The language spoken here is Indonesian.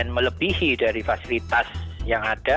dan melebihi dari fasilitas yang ada